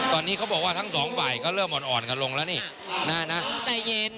ตอนนี้เขาบอกว่าทั้งสองฝ่ายก็เริ่มอ่อนกันลงแล้วนี่น่านะใจเย็น